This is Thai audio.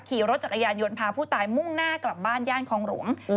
ขี่รถจักรยานยนต์พาผู้ตายมุ่งหน้ากลับบ้านย่านคลองหลวง